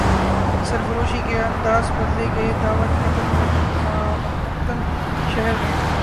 سرفروشی کے انداز بدلے گئے دعوت قتل پر مقتل شہر میں